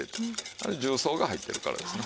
あれ重曹が入ってるからですね。